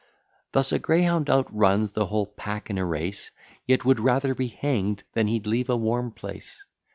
Thus a greyhound outruns the whole pack in a race, Yet would rather be hang'd than he'd leave a warm place.